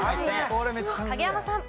影山さん。